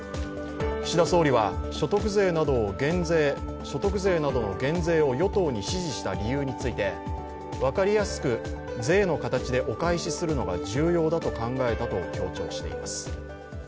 岸田総理は、所得税などの減税を与党などに指示した理由について、分かりやすく税の形でお返しするのが重要だと考えたと強調しています。